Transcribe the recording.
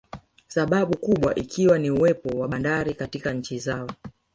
Sababu kubwa ikiwa ni uwepo wa bandari katika nchi zao